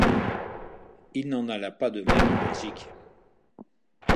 Il n'en alla pas de même en Belgique.